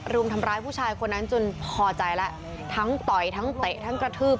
รุมทำร้ายผู้ชายคนนั้นจนพอใจแล้วทั้งต่อยทั้งเตะทั้งกระทืบ